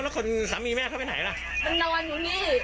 หนูบอกว่าถ้ามันไม่ทำมันหนึ่งนั่งอยู่นี่